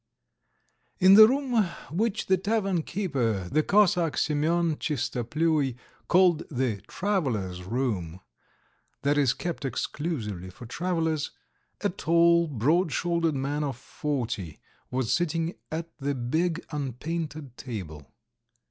IN the room which the tavern keeper, the Cossack Semyon Tchistopluy, called the "travellers' room," that is kept exclusively for travellers, a tall, broad shouldered man of forty was sitting at the big unpainted table.